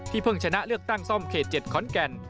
เพิ่งชนะเลือกตั้งซ่อมเขต๗ขอนแก่น